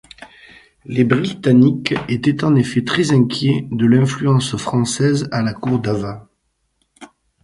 Les Britanniques étaient en effet très inquiets de l'influence française à la cour d'Ava.